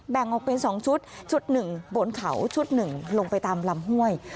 แบ่งออกเป็น๒ชุดชุด๑บนเขาชุด๑ลงไปตามลำห้วย